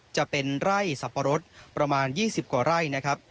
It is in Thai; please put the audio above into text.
จะเป็นไร่สับปะรดประมาณ๒๐กว่าไร่นะครับ